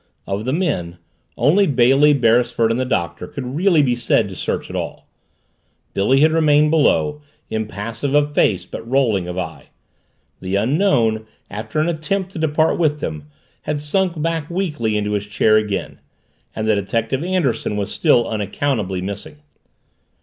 Of the men, only Bailey, Beresford, and the Doctor could really be said to search at all. Billy had remained below, impassive of face but rolling of eye; the Unknown, after an attempt to depart with them, had sunk back weakly into his chair again, and the detective, Anderson, was still unaccountably missing.